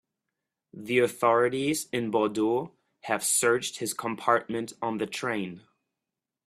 The authorities in Bordeaux have searched his compartment on the train.